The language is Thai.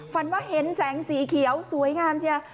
ฝันว่าเห็นแสงสีเขียวสวยงามเชียว